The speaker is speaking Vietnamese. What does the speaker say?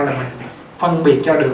là mình phân biệt cho được